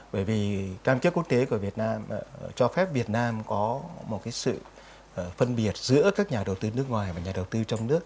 bởi vì cam kết quốc tế của việt nam cho phép việt nam có một sự phân biệt giữa các nhà đầu tư nước ngoài và nhà đầu tư trong nước